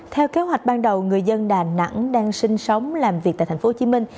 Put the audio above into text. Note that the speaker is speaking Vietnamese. theo kế hoạch ban đầu người dân đà nẵng đang sinh sống làm việc tại thành phố hồ chí minh